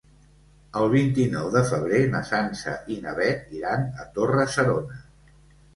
El vint-i-nou de febrer na Sança i na Beth iran a Torre-serona.